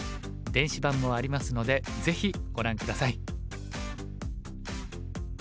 電子版もありますのでぜひご覧下さい。